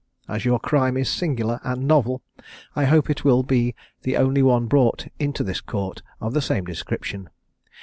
As your crime is singular and novel, I hope it will be the only one brought into this court of the same description.